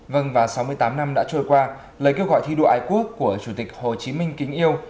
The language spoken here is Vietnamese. vâng và sáu mươi tám năm đã trôi qua lời kêu gọi thi đua ái quốc của chủ tịch hồ chí minh kính yêu